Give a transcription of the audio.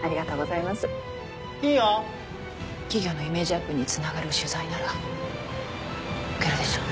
企業のイメージアップにつながる取材なら受けるでしょ？